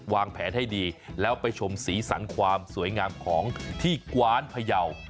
วางแผนให้ดีแล้วไปชมสีสันความสวยงามของที่กว้านพยาว